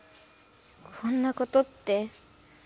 こんなことって。